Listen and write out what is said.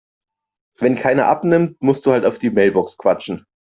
Wenn keiner abnimmt, musst du halt auf die Mailbox quatschen.